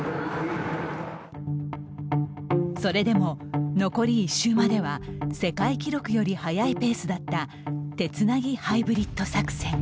それでも、残り１周までは世界記録より速いペースだった「手つなぎハイブリッド作戦」。